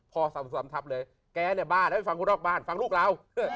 พอสำทับเลยแกเนี่ยบ้าแล้วไปฟังคนนอกบ้านฟังลูกเรา